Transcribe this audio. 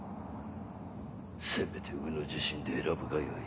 せめてうぬ自身で選ぶがよい。